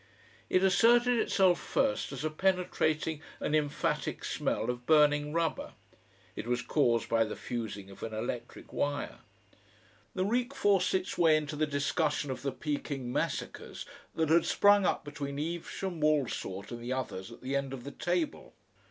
It asserted itself first as a penetrating and emphatic smell of burning rubber, it was caused by the fusing of an electric wire. The reek forced its way into the discussion of the Pekin massacres that had sprung up between Evesham, Waulsort, and the others at the end of the table.